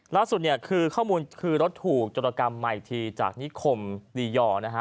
ล่าสุดเนี่ยคือข้อมูลคือรถถูกจรกรรมใหม่อีกทีจากนิคมดียอร์นะฮะ